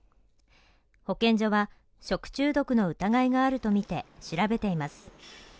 保健所は食中毒の疑いがあるとみて調べています